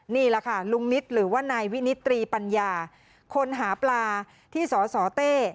นี่แหละค่ะลุงนิตหรือว่านายวินิตรีปัญญาคนหาปลาที่สสเต้